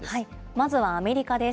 まずはアメリカです。